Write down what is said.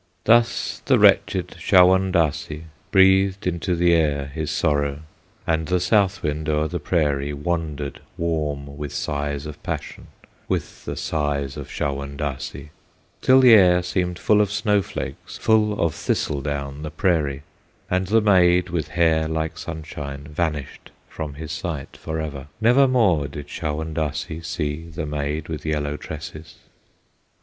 Thus the wretched Shawondasee Breathed into the air his sorrow; And the South Wind o'er the prairie Wandered warm with sighs of passion, With the sighs of Shawondasee, Till the air seemed full of snow flakes, Full of thistle down the prairie, And the maid with hair like sunshine Vanished from his sight forever; Never more did Shawondasee See the maid with yellow tresses!